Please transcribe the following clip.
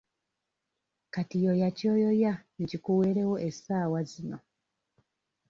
Kati yoya ky'oyoya nkikuweerewo essaawa zino.